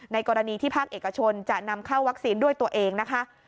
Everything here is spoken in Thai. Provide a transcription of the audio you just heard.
กรณีที่ภาคเอกชนจะนำเข้าวัคซีนด้วยตัวเองนะคะ